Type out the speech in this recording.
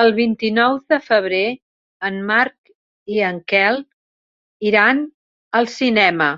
El vint-i-nou de febrer en Marc i en Quel iran al cinema.